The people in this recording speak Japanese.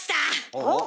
おっ。